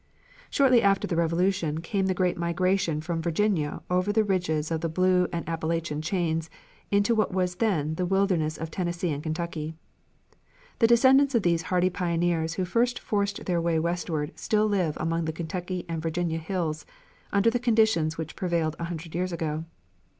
Shortly after the Revolution came the great migration from Virginia over the ridges of the Blue and the Appalachian chains into what was then the wilderness of Tennessee and Kentucky. The descendants of these hardy pioneers who first forced their way westward still live among the Kentucky and Virginia hills under the conditions which prevailed a hundred years ago.